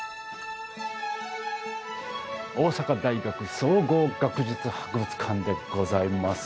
大阪大学総合学術博物館でございます。